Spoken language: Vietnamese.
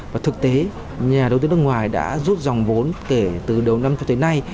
và thực tế nhà đầu tư nước ngoài đã rút dòng vốn kể từ đầu năm cho tới nay